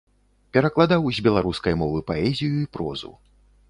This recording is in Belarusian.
Перакладаў з беларускай мовы паэзію і прозу.